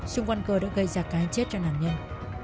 xung quanh cơ đã gây ra cái chết cho nạn nhân